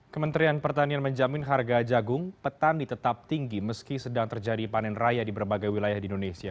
kementerian pertanian menjamin harga jagung petani tetap tinggi meski sedang terjadi panen raya di berbagai wilayah di indonesia